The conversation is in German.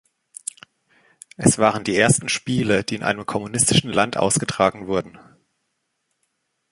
Es waren die ersten Spiele, die in einem kommunistischen Land ausgetragen wurden.